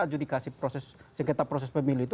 adjudikasi sekitar proses pemilu itu